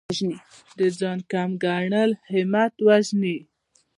د ځان کم ګڼل همت وژني.